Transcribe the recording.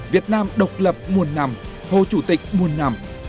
việt nam độc lập muôn năm hồ chủ tịch muôn năm